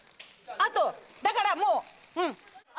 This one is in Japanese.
あとだからもううん。